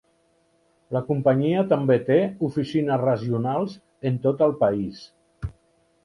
La companyia també té oficines regionals en tot el país.